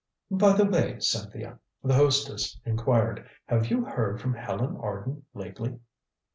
"By the way, Cynthia," the hostess inquired, "have you heard from Helen Arden lately?"